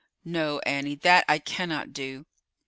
No, Annie; that I cannot do."